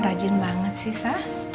rajin banget sih sah